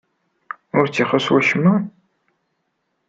Ur t-ixuṣṣ wacemma?